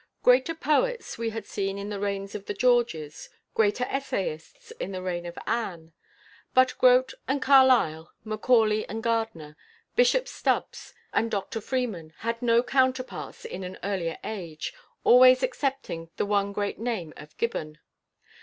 Greater poets we had seen in the reigns of the Georges, greater essayists in the reign of Anne. But Grote and Carlyle, Macaulay and Gardiner, Bishop Stubbs and Dr Freeman, had no counterparts in an earlier age always excepting the one great name of Gibbon.